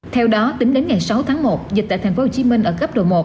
theo đó tính đến ngày sáu tháng một dịch tại thành phố hồ chí minh ở cấp độ một